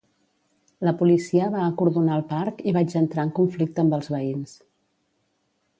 La policia va acordonar el parc i vaig entrar en conflicte amb els veïns